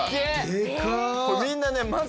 でか！